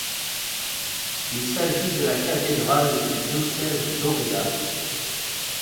Il s'agit de la cathédrale du diocèse d'Oria.